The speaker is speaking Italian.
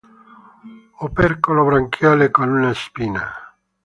Opercolo branchiale con una spina.